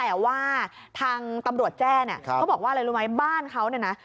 แต่ว่าทางตำรวจแจ้เนี่ยเขาบอกว่าอะไรรู้ไหมบ้านเขาเนี่ยนะ